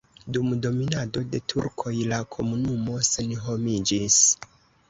Dum dominado de turkoj la komunumo senhomiĝis.